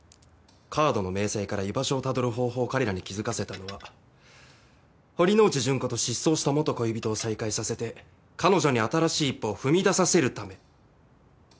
カードの明細から居場所をたどる方法を彼らに気付かせたのは堀之内純子と失踪した元恋人を再会させて彼女に新しい一歩を踏みださせるため。